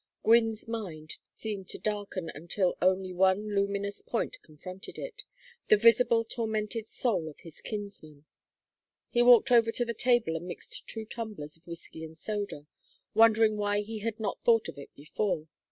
Gwynne's mind seemed to darken until only one luminous point confronted it, the visible tormented soul of his kinsman. He walked over to the table and mixed two tumblers of whiskey and soda, wondering why he had not thought of it before.